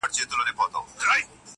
څه وکړمه لاس کي مي هيڅ څه نه وي.